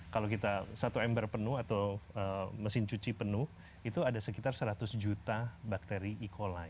kalau kita satu ember penuh atau mesin cuci penuh itu ada sekitar seratus juta bakteri e coli